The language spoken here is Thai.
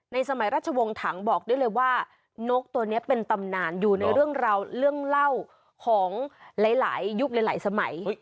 สมัยราชวงศ์ถังบอกได้เลยว่านกตัวนี้เป็นตำนานอยู่ในเรื่องราวเรื่องเล่าของหลายยุคหลายสมัย